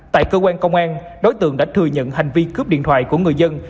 tại cơ quan công an đối tượng đã thừa nhận hành vi cướp điện thoại của người dân